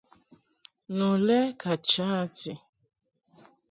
Nu lɛ ka cha a ti.